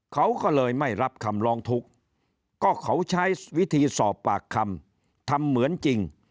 เขาก็เลยไม่รับคำร้องทุกข์ก็เขาใช้วิธีสอบปากคำทำเหมือนจริง